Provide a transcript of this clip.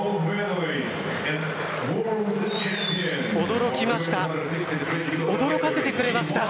驚きました。